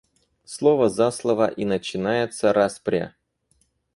Слово за слово, и начинается распря.